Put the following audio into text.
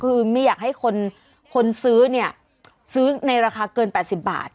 คือไม่อยากให้คนซื้อเนี่ยซื้อในราคาเกิน๘๐บาท